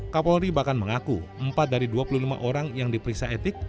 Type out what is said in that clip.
kapolri bahkan mengaku empat dari dua puluh lima orang yang diperiksa etik